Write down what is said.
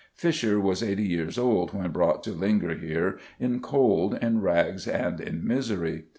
Fisher was eighty years old when brought to linger here "in cold, in rags, and in misery."